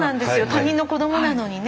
他人の子どもなのにね。